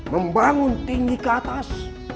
membangun tinggi ke atas